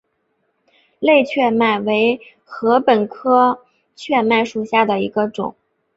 类雀麦为禾本科雀麦属下的一个种。